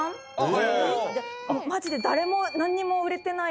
マジで誰もなんにも売れてない時。